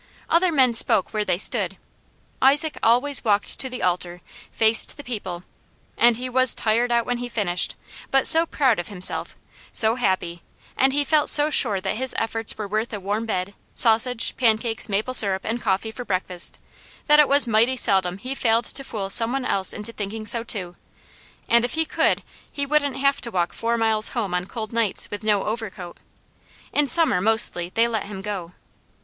Other men spoke where they stood. Isaac always walked to the altar, faced the people, and he was tired out when he finished, but so proud of himself, so happy, and he felt so sure that his efforts were worth a warm bed, sausage, pancakes, maple syrup, and coffee for breakfast, that it was mighty seldom he failed to fool some one else into thinking so too, and if he could, he wouldn't have to walk four miles home on cold nights, with no overcoat. In summer, mostly, they let him go.